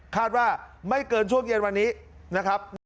ว่าไม่เกินช่วงเย็นวันนี้นะครับ